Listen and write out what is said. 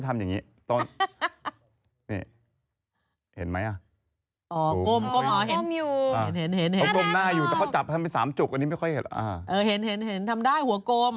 ทำออกมาแนะกี๊ดนะเอรัก